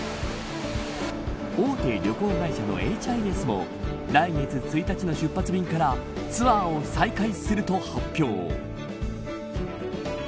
大手旅行会社のＨＩＳも来月１日の出発便からツアーを再開すると発表。